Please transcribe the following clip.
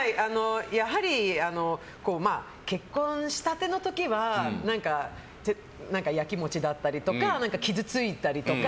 やはり、結婚したての時は何かやきもちだったりとか傷ついたりとか。